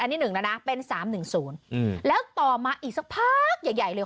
อันนี้หนึ่งแล้วนะเป็นสามหนึ่งศูนย์อืมแล้วต่อมาอีกสักพักใหญ่ใหญ่เลย